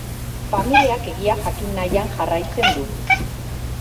Familiak egia jakin nahian jarraitzen du.